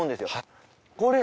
これ。